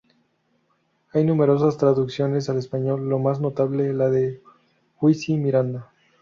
Hay numerosas traducciones al español, la más notable la de Huici Miranda.